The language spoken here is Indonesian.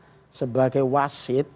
saya sebagai presiden sebagai wasit